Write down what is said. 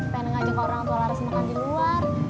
pengen ngajak orang tua laras makan di luar